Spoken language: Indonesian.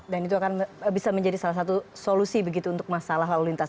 dan itu akan bisa menjadi salah satu solusi untuk masalah lalu lintas